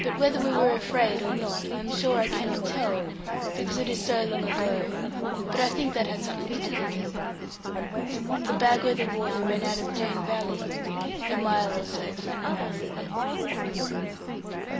But whether we were afraid or not, I am sure I cannot tell, because it is so long ago; but I think that had something to do with it. For Bagworthy water ran out of Doone valley, a mile or so from the mouth of it.